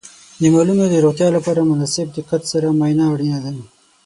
د مالونو د روغتیا لپاره د مناسب دقت سره معاینه اړینه ده.